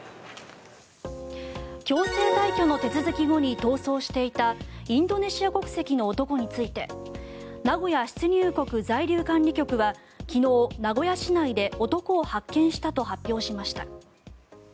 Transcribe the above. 強制退去の手続き後に逃走していたインドネシア国籍の男について名古屋出入国在留管理局は昨日、名古屋市内で男を発見したと発表しました。